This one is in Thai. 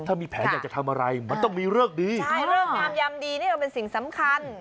ถ้ามีแผนอยากจะทำอะไรมันต้องมีเลิกดีใช่เลิกงามยำดีนี่ก็เป็นสิ่งสำคัญ